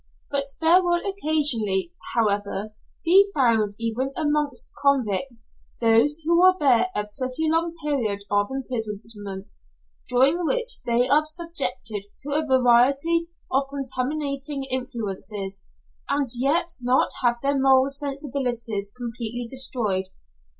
But there will occasionally, however, be found even amongst convicts those who will bear a pretty long period of imprisonment, during which they are subjected to a variety of contaminating influences, and yet not have their moral sensibilities completely destroyed.